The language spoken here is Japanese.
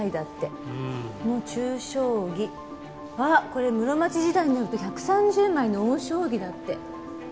これ室町時代ので１３０枚の大将棋だって。